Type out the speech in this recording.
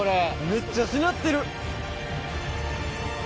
めっちゃしなってる！